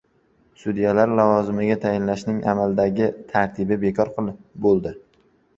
Sudyalarni lavozimga tayinlashning amaldagi tartibi bekor bo‘ladi